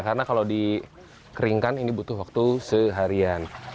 karena kalau dikeringkan ini butuh waktu seharian